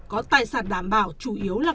có tài sản đảm bảo chủ yếu là